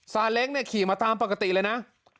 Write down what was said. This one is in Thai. ซาเล้งขี่มาตามปกติเลยนะ